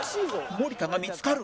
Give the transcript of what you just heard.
森田が見付かる！